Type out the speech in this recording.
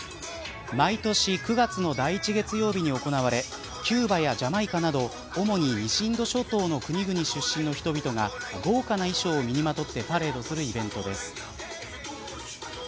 毎年９月の第１月曜日に行われキューバやジャマイカなど主に、西インド諸島の国々出身の人々が豪華な衣装を身にまとってパレードするイベントです。